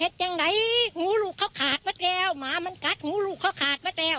เห็นจังไหนหงูลูกเข้าขาดวะแก้วหมามันกัดหงูลูกเข้าขาดวะแก้ว